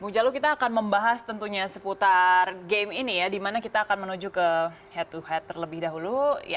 bung jalu kita akan membahas tentunya seputar game ini ya dimana kita akan menuju ke head to head terlebih dahulu